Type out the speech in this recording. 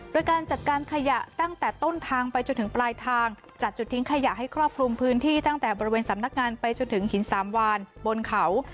โดยการจัดการขยะตั้งแต่ต้นทางไปจนถึงปลายทางจัดจุดทิ้งขยะให้ครอบคลุมพื้นที่ตั้งแต่บริเวณสำนักงานไปจนถึงหินสามวานบนเขา